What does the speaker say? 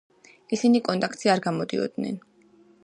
ისინი კონტაქტზე არ გამოდიოდნენ.